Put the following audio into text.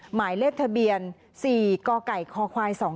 หมายเลขทะเบียน๔กกค๒๙